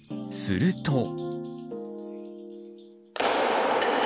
すると。